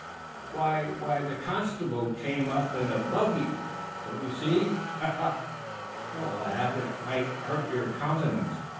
"Why why the the constable came up in a buggy, don't you see? Ha, ha. Don't laugh. It might hurt your countenance.